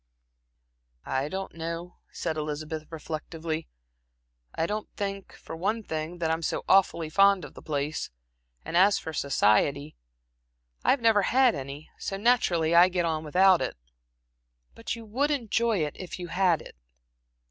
"I don't know," said Elizabeth, reflectively. "I don't think, for one thing, that I am so awfully fond of the place; and as for society I have never had any, so naturally I get on without it." "But you would enjoy it, if you had it?"